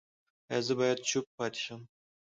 ایا زه باید چوپ پاتې شم؟